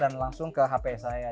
dan langsung ke hp saya